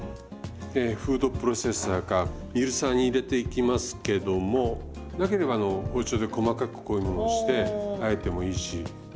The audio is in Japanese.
フードプロセッサーかミルサーに入れていきますけどもなければ包丁で細かくこういうものをしてあえてもいいし。